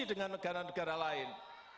dengan negara negara lain